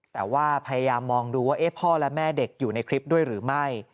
แต่ว่าพยายามมองดูว่าพ่อและแม่เด็กอยู่ในคลิปด้วยหรือไม่